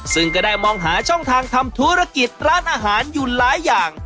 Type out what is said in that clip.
ซึ่งก็ได้มองหาช่องทางทำธุรกิจร้านอาหารอยู่หลายอย่าง